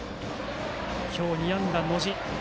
今日２安打の野路。